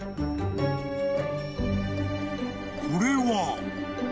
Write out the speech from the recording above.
［これは？］